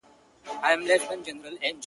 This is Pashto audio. پروني ملا ویله چي کفار پکښي غرقیږي!